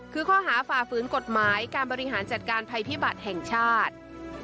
คือข้อหาฝ่าฝืนกฎหมายการบริหารจัดการภัยพิบัติแห่งชาติ